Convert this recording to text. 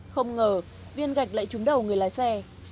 không ngờ viên gạch lại trúng đầu người lái xe